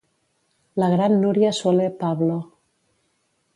La gran Núria Soler Pablo.